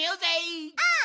うん！